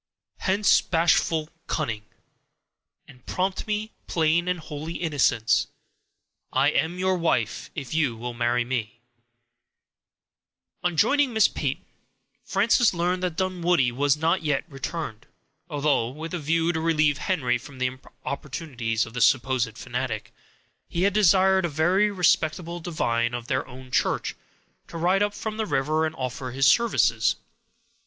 Hence, bashful cunning! And prompt me, plain and holy innocence; I am your wife, if you will marry me. —Tempest. On joining Miss Peyton, Frances learned that Dunwoodie was not yet returned; although, with a view to relieve Henry from the importunities of the supposed fanatic, he had desired a very respectable divine of their own church to ride up from the river and offer his services.